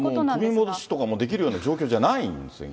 組み戻しとか、もう、できるような状況じゃないんですよ。